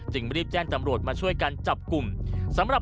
จึงรีบแจ้งตำรวจมาช่วยกันจับกลุ่ม